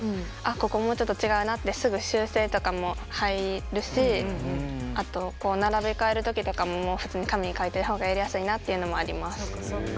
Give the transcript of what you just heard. ここもうちょっと違うなってすぐあとこう並べ替える時とかも普通に紙に書いてるほうがやりやすいなっていうのもあります。